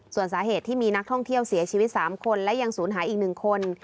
ส่วนสาเหตุที่มีนักท่องเที่ยวเสียชีวิต๓คนและยังศูนย์หายอีก๑คน